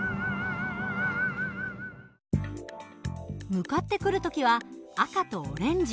向かってくる時は赤とオレンジ。